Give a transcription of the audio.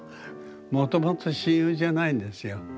もともと親友じゃないんですよ。